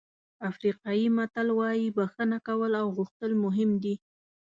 افریقایي متل وایي بښنه کول او غوښتل مهم دي.